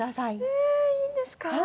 えいいんですか？